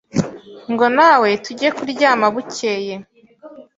ngo nawe tujye kuryama bukeye ,